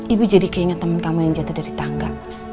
ibu jadi kayaknya temen kamu yang jatuh dari tangga